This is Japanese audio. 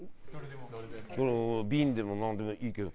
瓶でもなんでもいいけど。